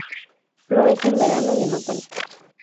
Florece en verano y en otoño.